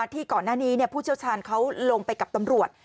ที่ก่อนหน้านี้ผู้เชี่ยวชาญเขาลงไปกับตำรวจ